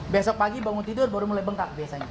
besok pagi bangun tidur baru mulai bengkak biasanya